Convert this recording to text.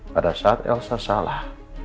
pada saat elsa salah